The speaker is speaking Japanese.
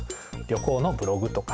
旅行のブログとか。